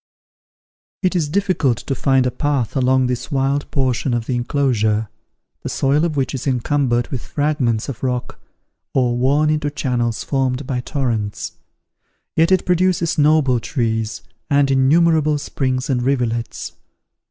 It is difficult to find a path along this wild portion of the enclosure, the soil of which is encumbered with fragments of rock, or worn into channels formed by torrents; yet it produces noble trees, and innumerable springs and rivulets.